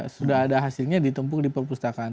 sudah ada hasilnya ditempuk di perpustakaan